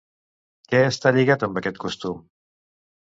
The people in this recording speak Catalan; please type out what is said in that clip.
Què està lligat amb aquest costum?